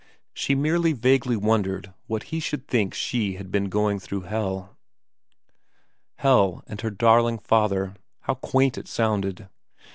She merely vaguely wondered that he should think she had been going through helL Hell and her darling father ; how quaint it sounded.